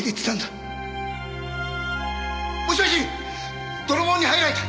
もしもし泥棒に入られた！